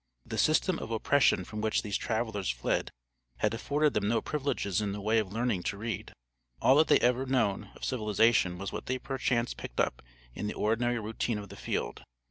The system of oppression from which these travelers fled had afforded them no privileges in the way of learning to read. All that they had ever known of civilization was what they perchance picked up in the ordinary routine of the field.